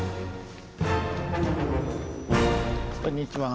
こんにちは。